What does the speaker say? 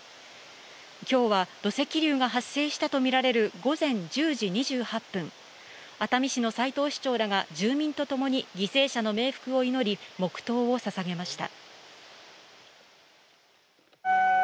きょうは土石流が発生したと見られる午前１０時２８分、熱海市の齊藤市長らが住民と共に犠牲者の冥福を祈り、黙とうをささげました。